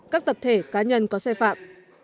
các tập thể cá nhân có sai phạm